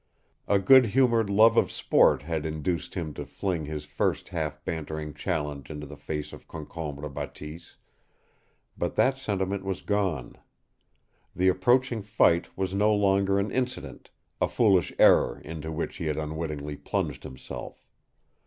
A good humored love of sport had induced him to fling his first half bantering challenge into the face of Concombre Bateese, but that sentiment was gone. The approaching fight was no longer an incident, a foolish error into which he had unwittingly plunged himself.